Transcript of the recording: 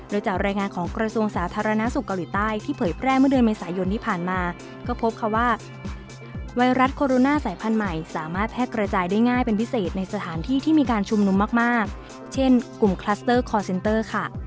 โดยจากรายงานของกระทรวงสาธารณสุขเกาหลีใต้ที่เผยแพร่เมื่อเดือนเมษายนที่ผ่านมาก็พบค่ะว่าไวรัสโคโรนาสายพันธุ์ใหม่สามารถแพร่กระจายได้ง่ายเป็นพิเศษในสถานที่ที่มีการชุมนุมมากเช่นกลุ่มคลัสเตอร์คอร์เซนเตอร์ค่ะ